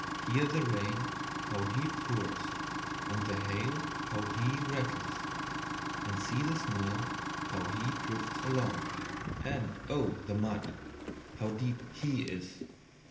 Hear the Rain, how he pours, and the Hail, how he rattles; and see the Snow, how he drifts along, and of the Mud, how deep he is!